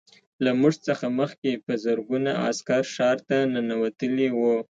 له موږ څخه مخکې په زرګونه عسکر ښار ته ننوتلي وو